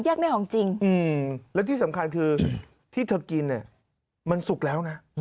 ได้ของจริงและที่สำคัญคือที่เธอกินเนี่ยมันสุกแล้วนะ